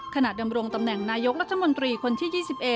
ดำรงตำแหน่งนายกรัฐมนตรีคนที่๒๑